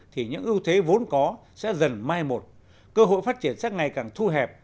thì những ưu thế vốn có sẽ dần mai một cơ hội phát triển sẽ ngày càng thu hẹp